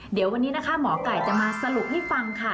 เดี๋ยววันนี้นะคะหมอไก่จะมาสรุปให้ฟังค่ะ